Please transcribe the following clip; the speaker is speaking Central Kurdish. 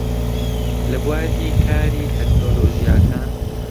لە بواری کاری تەکنۆلۆژیاکان